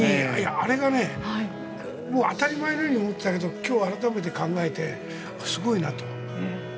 あれが当たり前のように思っていたけど今日改めて考えてすごいなと。